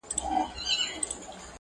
باندي جوړ د موږکانو بیر و بار وو,